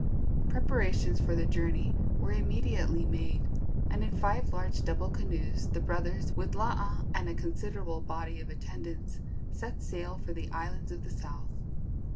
Preparations for the journey were immediately made, and in five large double canoes the brothers, with Laa and a considerable body of attendants, set sail for the islands of the south.